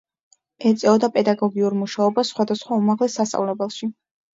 ეწეოდა პედაგოგიურ მუშაობას სხვადასხვა უმაღლეს სასწავლებელში.